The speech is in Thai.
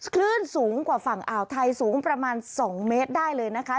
คลื่นสูงกว่าฝั่งอ่าวไทยสูงประมาณ๒เมตรได้เลยนะคะ